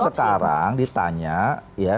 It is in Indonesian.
sekarang ditanya ya